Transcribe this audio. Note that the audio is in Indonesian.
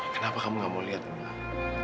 kenapa kamu enggak mau lihat mbak